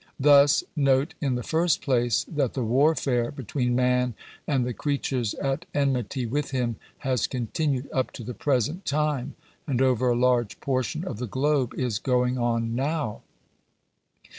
Thus, note in the first place, that the warfare between man and the creatures at enmity with him has continued up to the present time, and over a large portion of the globe is going on now.